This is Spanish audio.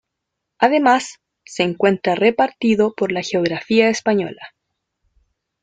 Además, se encuentra repartido por la geografía española.